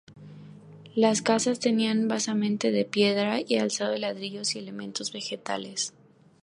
Las casas tenían un basamento de piedra y alzado de ladrillos y elementos vegetales.